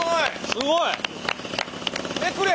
すごい。